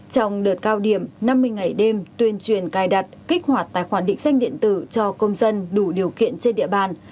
trong đợt cao điểm năm mươi ngày đêm tuyên truyền cài đặt kích hoạt tài khoản định danh điện tử cho công dân đủ điều kiện trên địa bàn